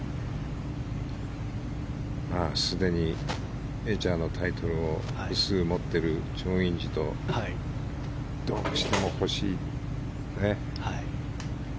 すでにメジャーのタイトルを複数持っているチョン・インジとどうしても欲しいね。